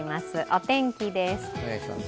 お天気です。